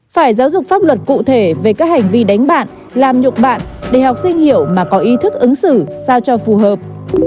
phải giáo dục pháp luật cụ thể về các hành vi đánh bạn làm nhục bạn để học sinh hiểu mà có ý thức ứng xử sao cho phù hợp